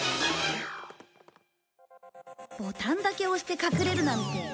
ボタンだけ押して隠れるなんて。